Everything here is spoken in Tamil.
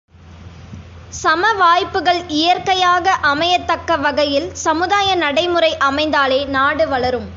சம வாய்ப்புகள் இயற்கையாக அமையத்தக்க வகையில் சமுதாய நடைமுறை அமைந்தாலே நாடு வளரும்.